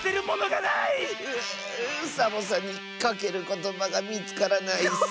うサボさんにかけることばがみつからないッス。